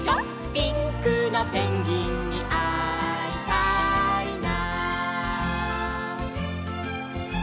「ピンクのペンギンにあいたいな」